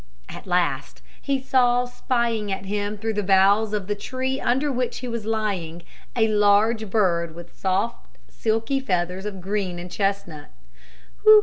At last he saw spying at him through the boughs of the tree under which he was lying a large bird with soft, silky feathers of green and chestnut.